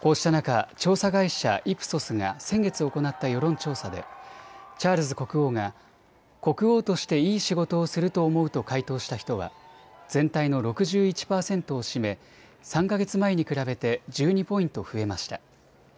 こうした中、調査会社イプソスが先月、行った世論調査でチャールズ国王が国王としていい仕事をすると思うと回答した人は全体の６１％を占め３か月前に比べて１２ポイント増えました。